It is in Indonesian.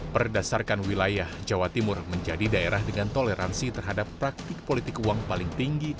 berdasarkan wilayah jawa timur menjadi daerah dengan toleransi terhadap praktik politik uang paling tinggi